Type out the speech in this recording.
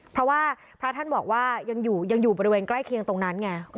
เพราะว่าพระท่านบอกว่ายังอยู่บริเวณใกล้เคียงตรงนั้นไง